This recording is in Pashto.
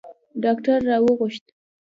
ډاکتر را وغوښت.